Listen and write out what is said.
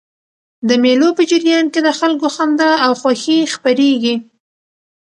د مېلو په جریان کښي د خلکو خندا او خوښي خپریږي.